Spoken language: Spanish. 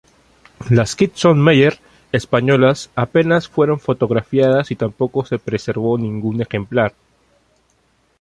Las Kitson-Meyer españolas apenas fueron fotografiadas y tampoco se preservó ningún ejemplar.